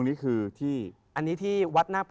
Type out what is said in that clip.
พระพุทธพิบูรณ์ท่านาภิรม